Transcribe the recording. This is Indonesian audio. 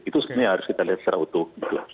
itu sebenarnya harus kita lihat secara utuh